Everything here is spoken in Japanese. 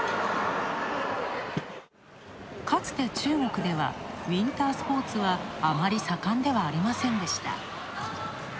かつて中国では、ウインタースポーツはあまり盛んではありませんでした。